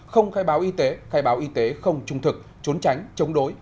không khai báo y tế khai báo y tế không trung thực trốn tránh chống đối